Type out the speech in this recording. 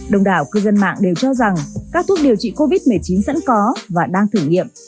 đồng đảo cư dân mạng đều cho rằng các thuốc điều trị covid một mươi chín sẵn có và đang thử nghiệm